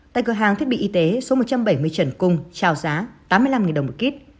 tại cửa hàng thiết bị y tế số một trăm bảy mươi trần cung trào giá tám mươi năm đồng một kíp